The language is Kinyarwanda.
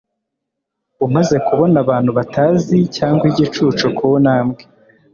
umaze kubona abantu batazi cyangwa igicucu kuntambwe